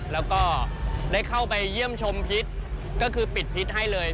แล้วก็ได้เข้าไปเยี่ยมชมพิษก็คือปิดพิษให้เลย